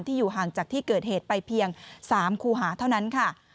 อยู่ห่างจากที่เกิดเหตุไปเพียง๓คูหาเท่านั้นค่ะ